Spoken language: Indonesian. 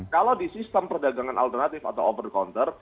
kalau di sistem perdagangan alternatif atau over counter